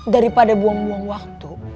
daripada buang buang waktu